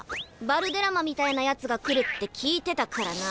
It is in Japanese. バルデラマみたいなやつが来るって聞いてたからな。